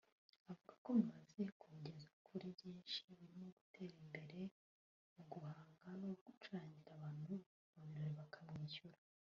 Avuga ko bimaze kumugeza kuri byinshi birimo gutembera mu mahanga no gucurangira abantu mu birori bakamwishyura